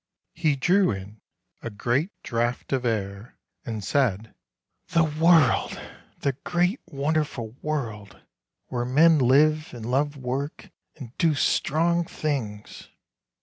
He drew in a great draught of air, and said, " The world ! the great, wonderful world, where men live, and love work, and do strong things